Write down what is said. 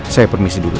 saya permisi dulu ya